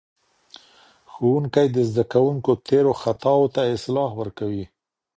ښوونکی د زدهکوونکو تیرو خطاوو ته اصلاح ورکوي.